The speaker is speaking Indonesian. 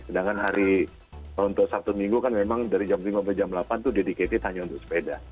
sedangkan hari kalau untuk sabtu minggu kan memang dari jam lima sampai jam delapan itu dedicated hanya untuk sepeda